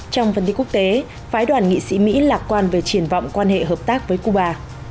trong phần đi quốc tế phái đoàn nghị sĩ mỹ lạc quan về triển vọng quan hệ hợp tác với cuba